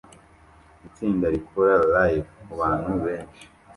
Itsinda rikora Live kubantu benshi